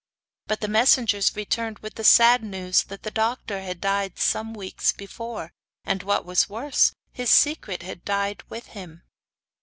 But the messengers returned with the sad news that the doctor had died some weeks before, and, what was worse, his secret had died with him.